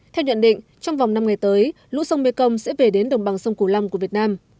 theo nhận định trong vòng năm ngày tới lũ sông mekong sẽ về đến đồng bằng sông cửu long của việt nam